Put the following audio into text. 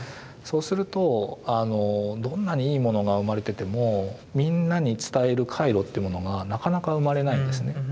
そうするとどんなにいいものが生まれててもみんなに伝える回路ってものがなかなか生まれないんですね。